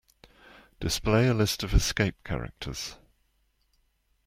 Display a list of escape characters.